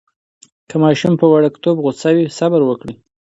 که ماشوم پر وړکتون غوصه وي، صبر وکړئ.